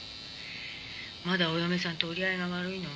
「まだお嫁さんと折り合いが悪いの？」